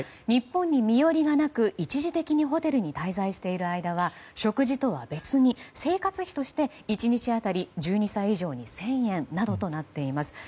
日本に身寄りがなく一時的にホテルに滞在している間は食事とは別に生活費として１日当たり１２歳以上に１０００円などとなっています。